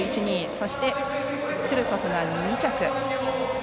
そしてトゥルソフが２着。